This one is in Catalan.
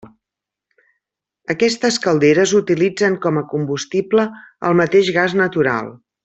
Aquestes calderes utilitzen com a combustible el mateix gas natural.